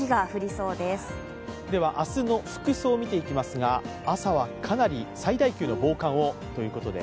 明日の服装を見ていきますが朝は最大級の防寒をということで。